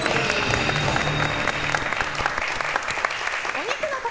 お肉の塊